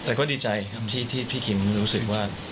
แต่ก็ดีใจครับที่พี่คิมรู้สึกว่า